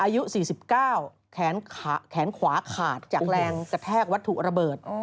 อายุ๔๙แขนขวาขาดจากแรงกระแทกวัตถุระเบิด